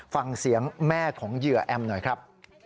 ฟังเสียงแม่ของเหยื่อแอมหน่อยครับ